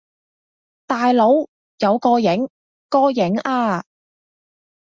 大佬，有個影！個影呀！